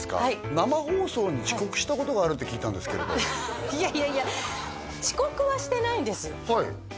生放送に遅刻したことがあるって聞いたんですけれどいやいやいや遅刻はしてないんです